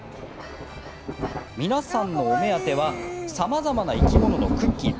皆さんのお目当てはさまざまな生き物のクッキー。